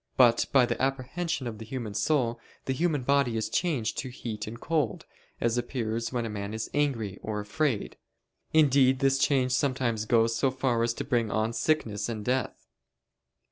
But by the apprehension of the human soul the human body is changed to heat and cold, as appears when a man is angry or afraid: indeed this change sometimes goes so far as to bring on sickness and death.